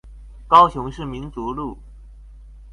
高雄市民族路